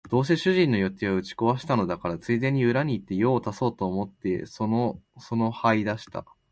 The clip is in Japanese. どうせ主人の予定は打ち壊したのだから、ついでに裏へ行って用を足そうと思ってのそのそ這い出した